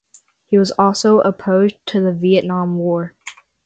He was also opposed to the Vietnam War.